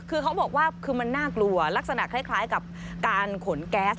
คือเขาบอกว่าคือมันน่ากลัวลักษณะคล้ายกับการขนแก๊ส